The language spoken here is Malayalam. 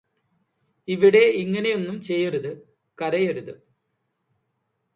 ഇവിടെ ഇങ്ങനെയൊന്നും ചെയ്യരുത് കരയരുത്